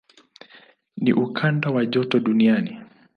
Ni ukanda wa joto duniani.